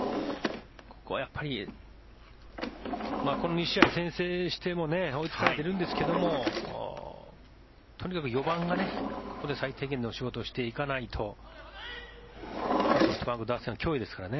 ここはやっぱり、この２試合先制しても追いつかれているんですがとにかく４番がここで最低限の仕事をしていかないとソフトバンク打線は脅威ですからね。